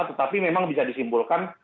tetapi memang bisa disimpulkan